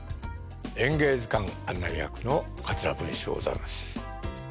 「演芸図鑑」案内役の桂文枝でございます。